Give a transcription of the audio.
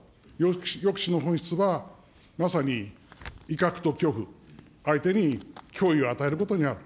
抑止の本質は、まさに威嚇と恐怖、相手に脅威を与えることになる。